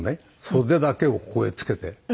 袖だけをここへ付けて。